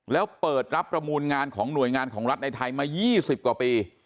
แล้วเปิดรับประมูลงานของหน่วยงานของรัฐในไทยมา๒๐กว่าปี